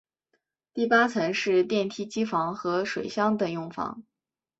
第八层是电梯机房和水箱等用房。